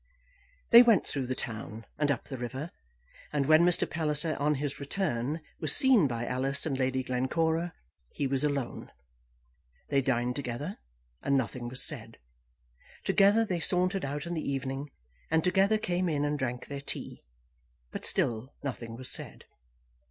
They went through the town, and up the river, and when Mr. Palliser, on his return, was seen by Alice and Lady Glencora, he was alone. They dined together, and nothing was said. Together they sauntered out in the evening, and together came in and drank their tea; but still nothing was said.